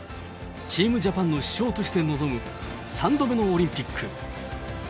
チームジャパンの主将として臨む、３度目のオリンピック。